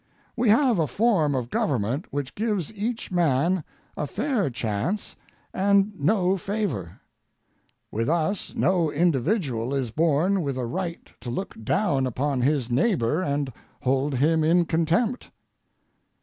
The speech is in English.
We have a form of government which gives each man a fair chance and no favor. With us no individual is born with a right to look down upon his neighbor and hold him in contempt.